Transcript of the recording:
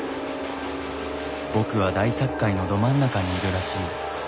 僕は大殺界のど真ん中にいるらしい。